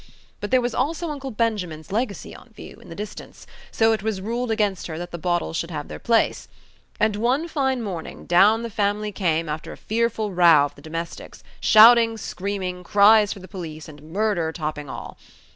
But there was also Uncle Benjamin's legacy on view, in the distance, so it was ruled against her that the bottles should have their place. And one fine morning down came the family after a fearful row of the domestics; shouting, screaming, cries for the police, and murder topping all.